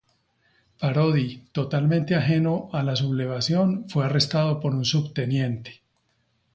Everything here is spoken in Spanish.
Parodi, totalmente ajeno a la sublevación, fue arrestado por un subteniente.